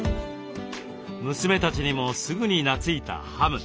娘たちにもすぐになついたハム。